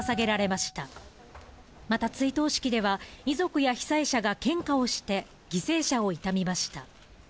また追悼式では、遺族や被災者が献花をして、犠牲者を悼みました。